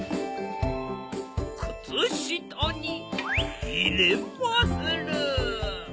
くつしたにいれまする。